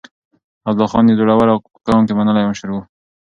عبدالله خان يو زړور او په قوم کې منلی مشر و.